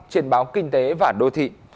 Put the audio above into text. trên báo kinh tế và đô thị